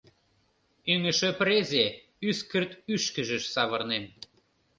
Ӱҥышӧ презе ӱскырт ӱшкыжыш савырнен.